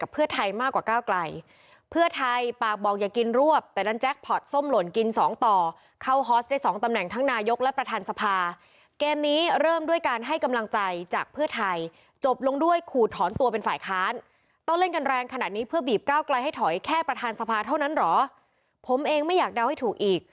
ผมเองไม่อยากเดาให้ถูกอีก